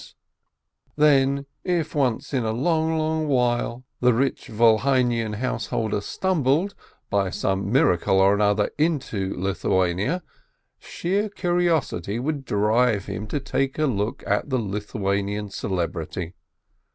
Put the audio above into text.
THE LAST OF THEM 569 Then, if once in a long, long while the rich Volhynian householder stumbled, by some miracle or other, into Lithuania, sheer curiosity would drive him to take a look at the Lithuanian celebrity.